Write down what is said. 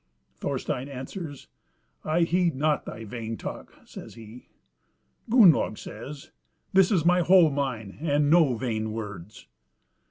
Thorstein answers: "I heed not thy vain talk," says he. Gunnlaug says, "This is my whole mind, and no vain words."